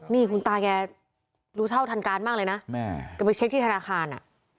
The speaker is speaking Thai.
นี่คุณตาแกรู้เท่าทันการมากเลยนะแม่ก็ไปเช็คที่ธนาคารอ่ะ